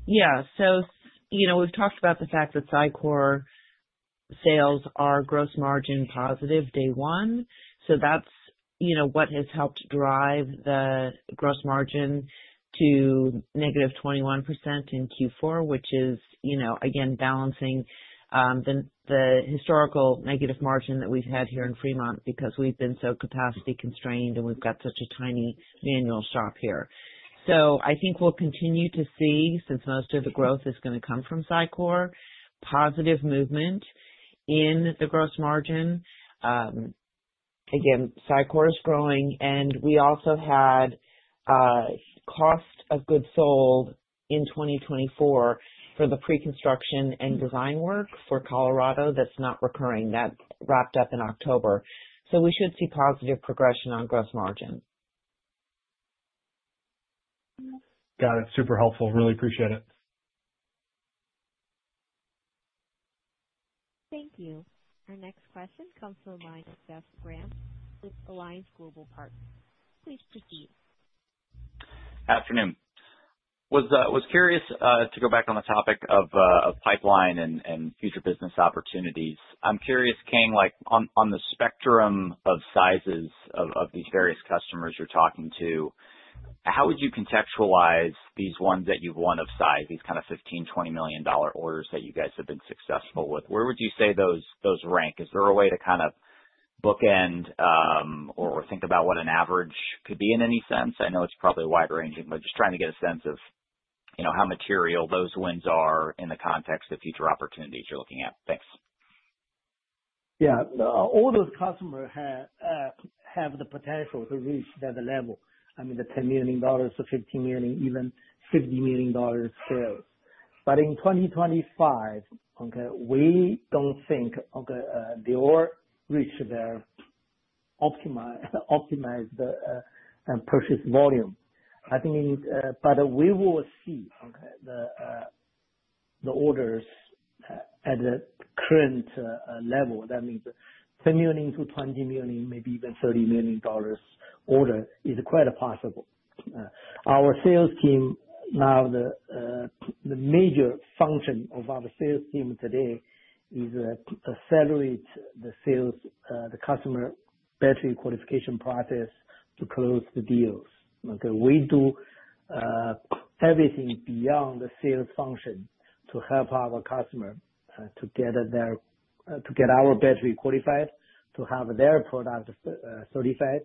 Yeah. So we've talked about the fact that SiCore sales are gross margin positive day one. That's what has helped drive the gross margin to negative 21% in Q4, which is, again, balancing the historical negative margin that we've had here in Fremont because we've been so capacity constrained, and we've got such a tiny manual shop here. I think we'll continue to see, since most of the growth is going to come from SiCore, positive movement in the gross margin. Again, SiCore is growing. We also had cost of goods sold in 2024 for the pre-construction and design work for Colorado that's not recurring. That wrapped up in October. We should see positive progression on gross margin. Got it. Super helpful. Really appreciate it. Thank you. Our next question comes from the line of Jeff Grampp, with Alliance Global Partners. Please proceed. Afternoon. I was curious to go back on the topic of pipeline and future business opportunities. I'm curious, Kang, on the spectrum of sizes of these various customers you're talking to, how would you contextualize these ones that you've won of size, these kind of $15 million, $20 million orders that you guys have been successful with? Where would you say those rank? Is there a way to kind of bookend or think about what an average could be in any sense? I know it's probably wide-ranging, but just trying to get a sense of how material those wins are in the context of future opportunities you're looking at. Thanks. Yeah. All those customers have the potential to reach that level. I mean, the $10 million-$15 million, even $50 million sales. In 2025, we don't think they will reach their optimized purchase volume. We will see the orders at the current level. That means $10 million-$20 million, maybe even $30 million order is quite possible. Our sales team, now the major function of our sales team today is accelerate the customer battery qualification process to close the deals. We do everything beyond the sales function to help our customer to get our battery qualified, to have their product certified.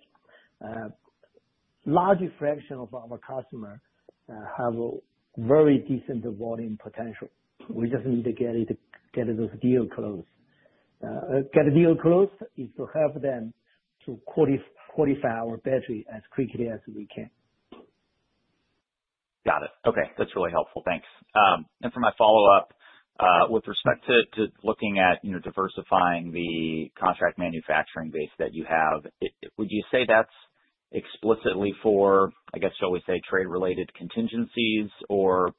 Large fraction of our customers have very decent volume potential. We just need to get those deals closed. Get a deal closed is to help them to qualify our battery as quickly as we can. Got it. That's really helpful. Thanks. For my follow-up, with respect to looking at diversifying the contract manufacturing base that you have, would you say that's explicitly for, I guess, shall we say, trade-related contingencies, or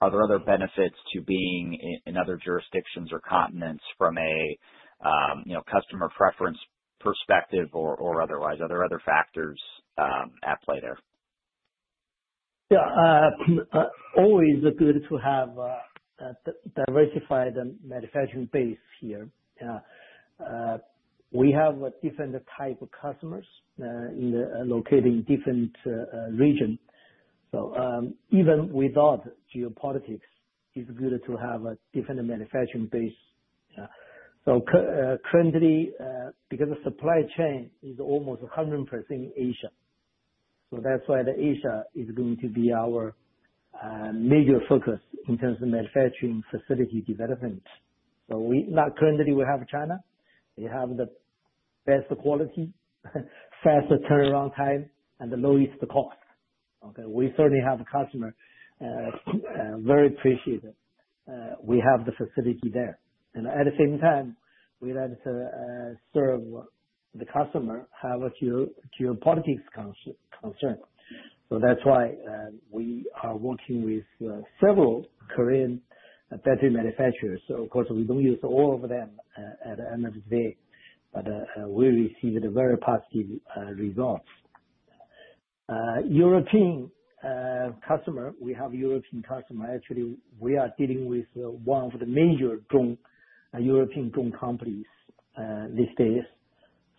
are there other benefits to being in other jurisdictions or continents from a customer preference perspective or otherwise? Are there other factors at play there? Yeah. Always good to have a diversified manufacturing base here. We have different types of customers located in different regions. Even without geopolitics, it's good to have a different manufacturing base. Currently, because the supply chain is almost 100% Asia, that's why Asia is going to be our major focus in terms of manufacturing facility development. Currently, we have China. They have the best quality, fast turnaround time, and the lowest cost. We certainly have a customer very appreciative. We have the facility there. At the same time, we like to serve the customer however geopolitics concerns. That is why we are working with several Korean battery manufacturers. Of course, we do not use all of them at MFZ, but we received very positive results. European customer, we have European customers. Actually, we are dealing with one of the major European drone companies these days.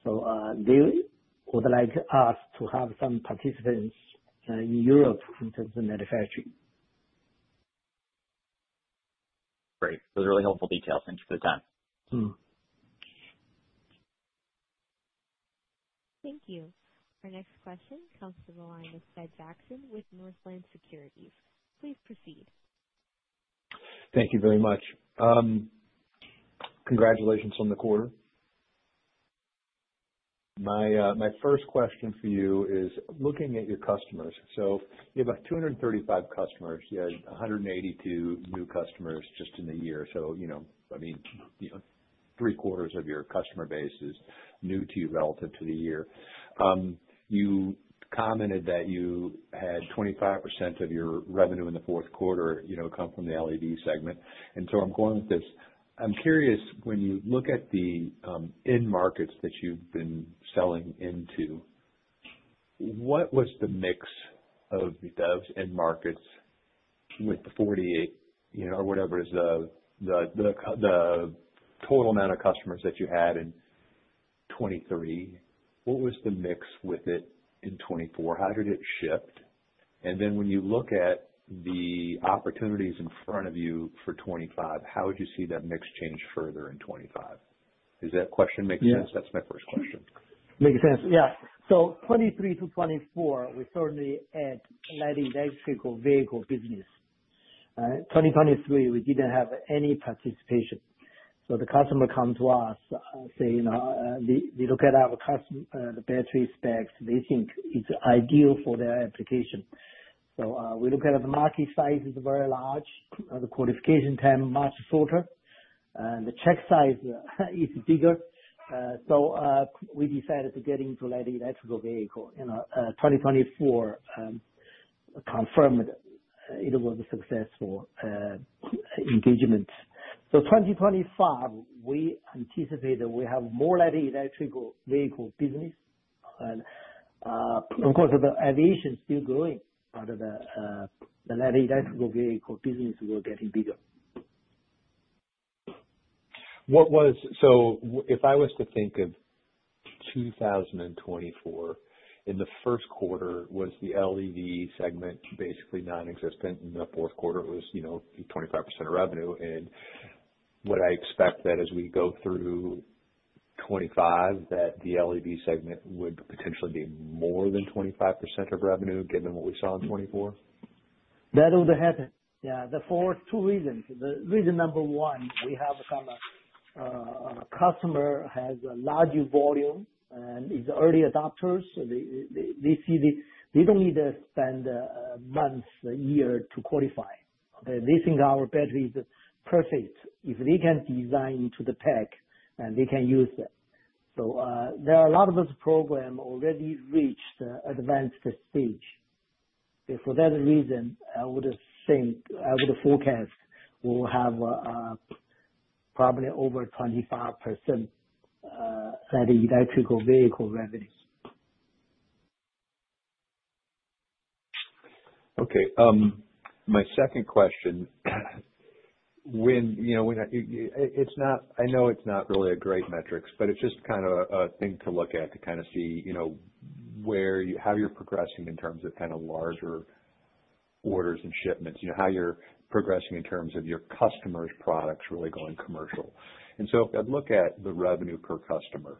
They would like us to have some participants in Europe in terms of manufacturing. Great. Those are really helpful details. Thank you for the time. Thank you. Our next question comes from the line of Ted Jackson with Northland Securities. Please proceed. Thank you very much. Congratulations on the quarter. My first question for you is looking at your customers. You have 235 customers. You had 182 new customers just in a year. I mean, three-quarters of your customer base is new to you relative to the year. You commented that you had 25% of your revenue in the fourth quarter come from the LEV segment. Where I'm going with this, I'm curious, when you look at the end markets that you've been selling into, what was the mix of those end markets with the 48 or whatever is the total amount of customers that you had in 2023? What was the mix with it in 2024? How did it shift? When you look at the opportunities in front of you for 2025, how would you see that mix change further in 2025? Does that question make sense? That's my first question. Makes sense. Yeah. 2023 to 2024, we certainly had light electric vehicle business. In 2023, we didn't have any participation. The customer comes to us saying they look at our battery specs. They think it's ideal for their application. We look at the market size is very large. The qualification time is much shorter. The check size is bigger. We decided to get into light electric vehicle. 2024 confirmed it was a successful engagement. 2025, we anticipate that we have more light electric vehicle business. Of course, the aviation is still growing, but the light electric vehicle business will get bigger. If I was to think of 2024, in the first quarter, was the LEV segment basically nonexistent, and the fourth quarter was 25% of revenue. Would I expect that as we go through 2025, that the LEV segment would potentially be more than 25% of revenue given what we saw in 2024? That would happen. Yeah. For two reasons. Reason number one, we have a customer who has a large volume and is early adopters. They see they don't need to spend a month, a year to qualify. Okay. They think our battery is perfect. If they can design into the tech and they can use that. So there are a lot of those programs already reached advanced stage. For that reason, I would forecast we will have probably over 25% light electric vehicle revenue. Okay. My second question, when it's not—I know it's not really a great metric, but it's just kind of a thing to look at to kind of see how you're progressing in terms of kind of larger orders and shipments, how you're progressing in terms of your customers' products really going commercial. If I look at the revenue per customer,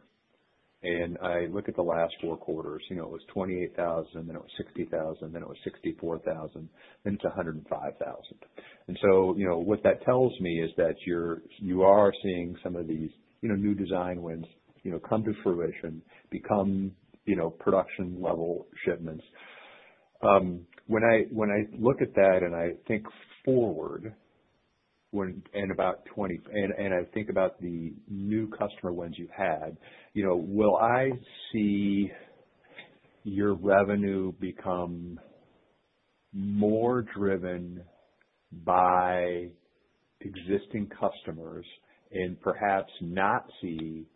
and I look at the last four quarters, it was $28,000, then it was $60,000, then it was $64,000, then it's $105,000. What that tells me is that you are seeing some of these new design wins come to fruition, become production-level shipments. When I look at that and I think forward in about 2020—and I think about the new customer wins you've had, will I see your revenue become more driven by existing customers and perhaps not see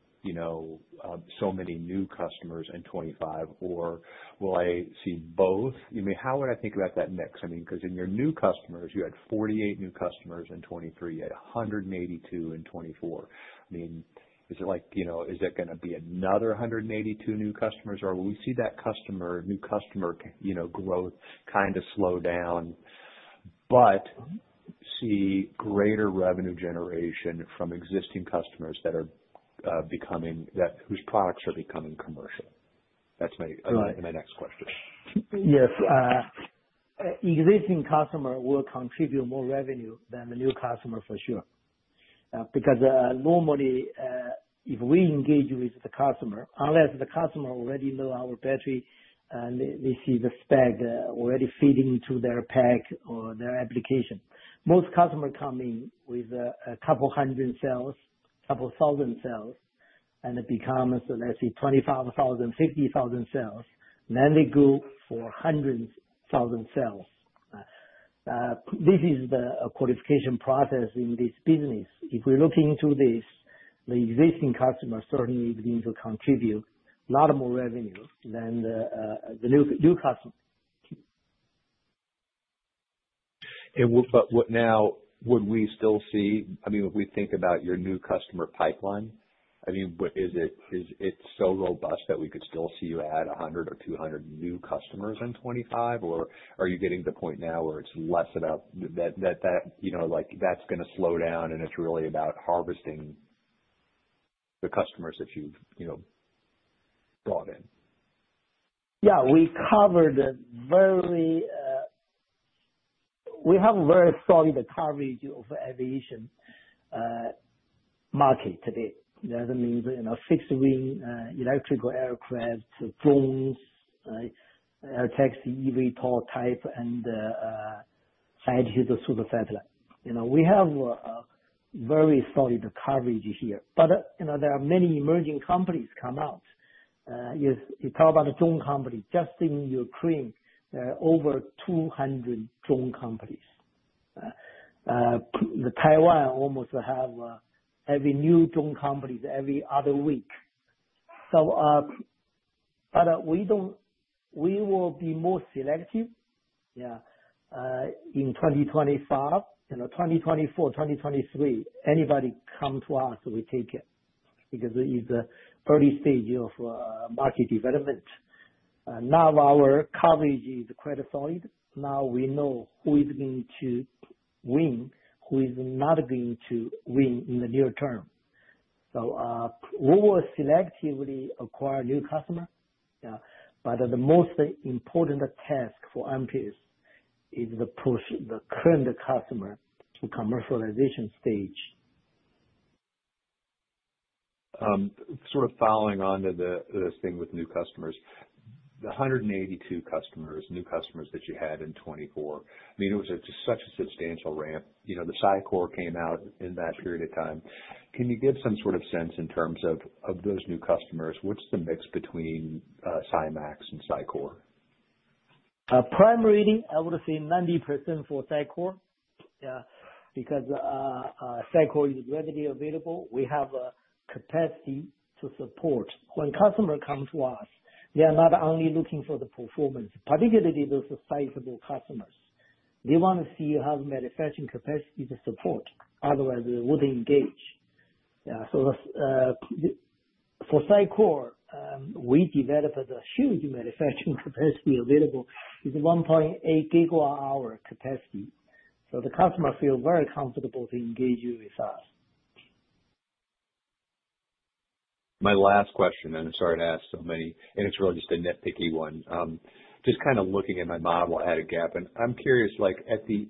so many new customers in 2025, or will I see both? I mean, how would I think about that mix? I mean, because in your new customers, you had 48 new customers in 2023. You had 182 in 2024. I mean, is it like—is it going to be another 182 new customers, or will we see that new customer growth kind of slow down but see greater revenue generation from existing customers that are becoming—whose products are becoming commercial? That's my next question. Yes. Existing customers will contribute more revenue than the new customer, for sure. Because normally, if we engage with the customer, unless the customer already knows our battery and they see the spec already fitting to their pack or their application, most customers come in with a couple hundred sales, a couple thousand sales, and it becomes, let's say, 25,000, 50,000 sales. Then they go for hundreds of thousand sales. This is the qualification process in this business. If we look into this, the existing customers certainly need to contribute a lot more revenue than the new customer. Now, would we still see—I mean, if we think about your new customer pipeline, I mean, is it so robust that we could still see you add 100 or 200 new customers in 2025, or are you getting to the point now where it's less about that, that's going to slow down, and it's really about harvesting the customers that you've brought in? Yeah. We have very strong coverage of the aviation market today. That means fixed-wing electrical aircraft, drones, air taxi, eVTOL type, and High-Altitude Pseudo Satellite. We have very solid coverage here. There are many emerging companies coming out. You talk about drone companies. Just in Ukraine, there are over 200 drone companies. Taiwan almost has every new drone company every other week. We will be more selective in 2025. In 2024, 2023, anybody comes to us, we take it because it's an early stage of market development. Now our coverage is quite solid. Now we know who is going to win, who is not going to win in the near term. We will selectively acquire new customers. The most important task for Amprius is to push the current customer to the commercialization stage. Sort of following on to this thing with new customers, the 182 new customers that you had in 2024, I mean, it was such a substantial ramp. The SiCore came out in that period of time. Can you give some sort of sense in terms of those new customers? What's the mix between SiMaxx and SiCore? Primarily, I would say 90% for SiCore because SiCore is readily available. We have capacity to support. When customers come to us, they are not only looking for the performance, particularly those sizable customers. They want to see how the manufacturing capacity to support. Otherwise, they wouldn't engage. For SiCore, we developed a huge manufacturing capacity available. It's 1.8 GWh capacity. The customers feel very comfortable to engage with us. My last question, and I'm sorry to ask so many, and it's really just a nitpicky one. Just kind of looking at my model, I had a gap. I'm curious, you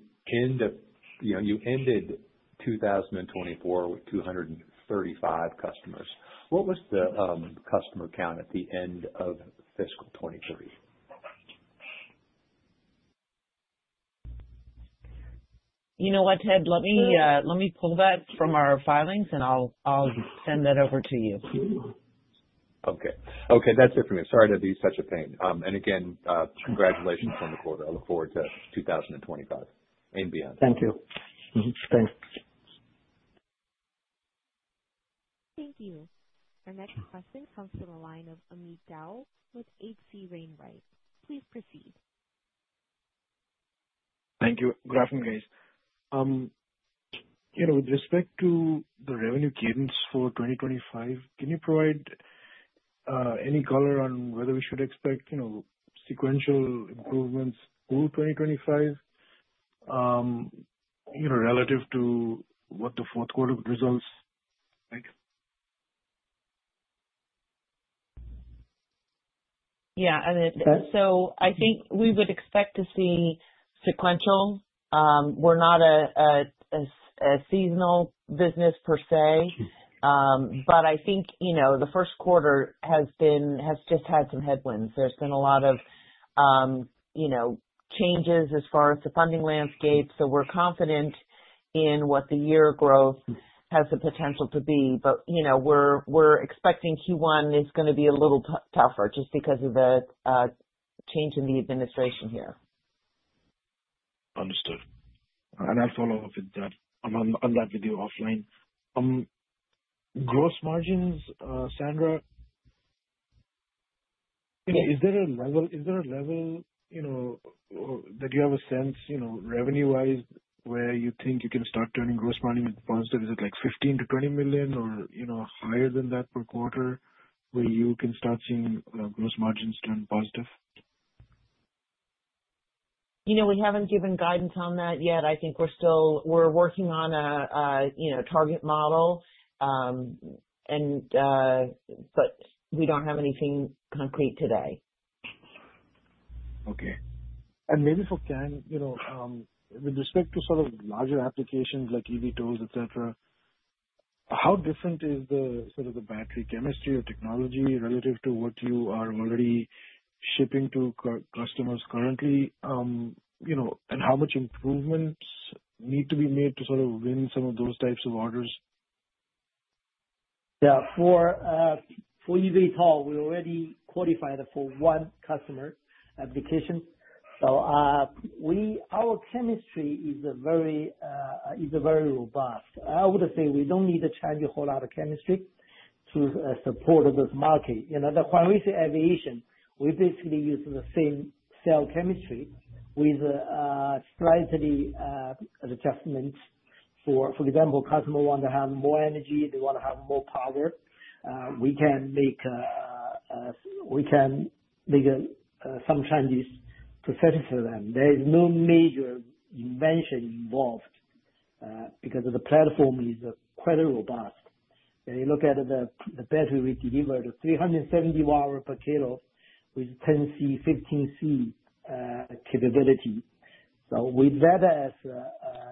ended 2024 with 235 customers. What was the customer count at the end of fiscal 2023? You know what, Ted? Let me pull that from our filings, and I'll send that over to you. Okay. Okay. That's it for me. I'm sorry to be such a pain. Again, congratulations on the quarter. I look forward to 2025 and beyond. Thank you. Thanks. Thank you. Our next question comes from the line of Amit Dayal with H.C. Wainwright. Please proceed. Thank you. Good afternoon, guys. With respect to the revenue cadence for 2025, can you provide any color on whether we should expect sequential improvements through 2025 relative to what the fourth quarter results? Yeah. I think we would expect to see sequential. We are not a seasonal business per se. I think the first quarter has just had some headwinds. There have been a lot of changes as far as the funding landscape. We are confident in what the year growth has the potential to be. We are expecting Q1 is going to be a little tougher just because of the change in the administration here. Understood. I will follow up with that on that video offline. Gross margins, Sandra, is there a level that you have a sense revenue-wise where you think you can start turning gross margin positive? Is it like $15 million-$20 million or higher than that per quarter where you can start seeing gross margins turn positive? We have not given guidance on that yet. I think we are working on a target model, but we do not have anything concrete today. Okay. Maybe for Kang, with respect to sort of larger applications like eVTOLs, etc., how different is sort of the battery chemistry or technology relative to what you are already shipping to customers currently, and how much improvements need to be made to sort of win some of those types of orders? Yeah. For EV tool, we already qualified for one customer application. So our chemistry is very robust. I would say we don't need to change a whole lot of chemistry to support this market. When we say aviation, we basically use the same cell chemistry with slight adjustments. For example, customers want to have more energy. They want to have more power. We can make some changes to satisfy them. There is no major invention involved because the platform is quite robust. You look at the battery we delivered, 370 Wh/kg with 10C, 15C capability. With that as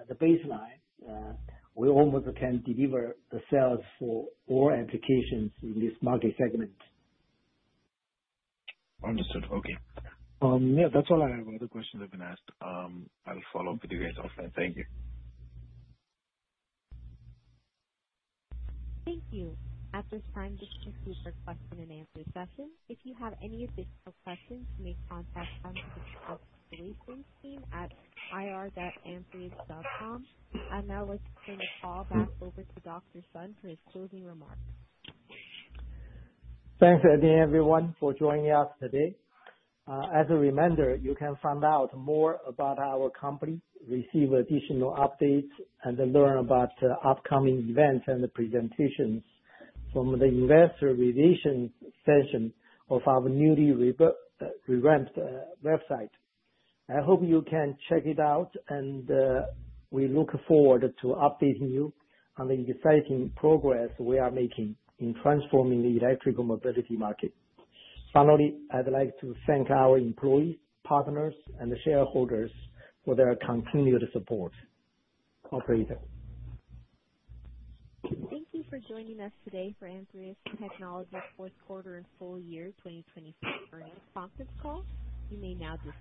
the baseline, we almost can deliver the cells for all applications in this market segment. Understood. Okay. Yeah. That's all I have. All the questions I've been asked. I'll follow up with you guys offline. Thank you. Thank you. At this time, this concludes our question-and-answer session. If you have any additional questions, you may contact us at irr.amprius.com. Now let's turn the call back over to Dr. Sun for his closing remarks. Thanks again, everyone, for joining us today. As a reminder, you can find out more about our company, receive additional updates, and learn about upcoming events and presentations from the Investor Relations section of our newly revamped website. I hope you can check it out, and we look forward to updating you on the exciting progress we are making in transforming the electrical mobility market. Finally, I'd like to thank our employees, partners, and shareholders for their continued support. Appreciate it. Thank you for joining us today for Amprius Technologies' fourth quarter and full year 2024 earnings conference call. You may now disconnect.